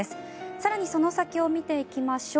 更にその先を見ていきましょう。